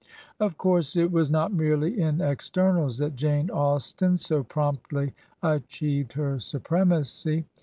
Of course it was not merely in externals that Jane Austen so promptly achieved her supremacy.